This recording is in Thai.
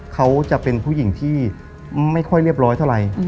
เขาจะเป็นผู้หญิงที่ไม่ค่อยเรียบร้อยเท่าไหร่